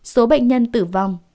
số bệnh nhân tử vong